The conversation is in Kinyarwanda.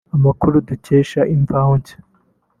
Amakuru dukesha Imvaho Nshya